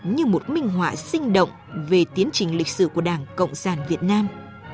như một minh họa sinh động về tiến trình lịch sử của đảng cộng sản việt nam